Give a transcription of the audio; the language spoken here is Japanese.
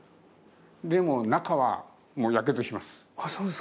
でも中はもう、やけどします。